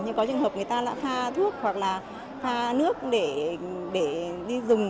nhưng có trường hợp người ta đã pha thuốc hoặc là pha nước để đi dùng